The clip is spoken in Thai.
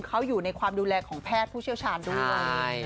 เขาอยู่ในความดูแลของแพทย์ผู้เชี่ยวชาญด้วย